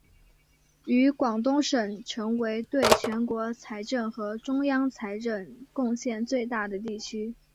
与广东省成为对全国财政和中央财政贡献最大的地区。